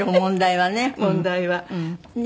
問題はね。